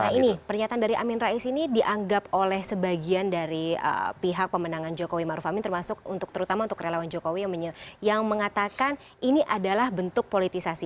nah ini pernyataan dari amin rais ini dianggap oleh sebagian dari pihak pemenangan jokowi maruf amin termasuk terutama untuk relawan jokowi yang mengatakan ini adalah bentuk politisasi